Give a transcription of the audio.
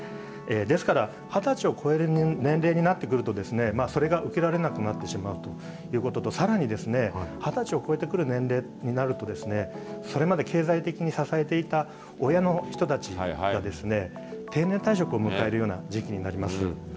ですから、２０歳を超える年齢になってくると、それが受けられなくなってしまうということと、さらに２０歳を超えてくる年齢になると、それまで経済的に支えていた親の人たちが定年退職を迎えるような時期になります。